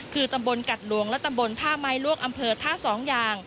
คือตำบลกัดหลวงและตำบลท่าไม้ลวกอำเภอท่าสองอย่าง